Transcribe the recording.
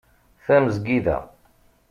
Tamezgida